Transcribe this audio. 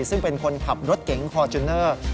ซึ่งเป็นคนขับรถเก๋งฟอร์จูเนอร์